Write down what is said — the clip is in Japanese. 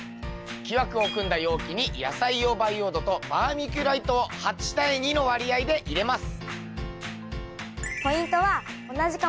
木枠を組んだ容器に野菜用培養土とバーミキュライトを８対２の割合で入れます。